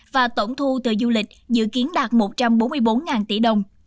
và tổng thu từ du lịch dự kiến đạt một trăm bốn mươi bốn tỷ đồng